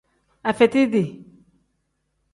Afebiiti.